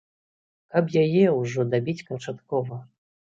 Каб яе ўжо дабіць канчаткова.